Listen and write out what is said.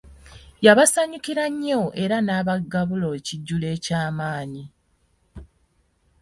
Yabasanyukira nnyo era yabagabula ekijjulo kyamanyi.